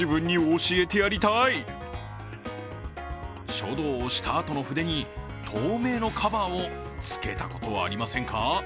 書道をしたあとの筆に透明のカバーをつけたことはありませんか？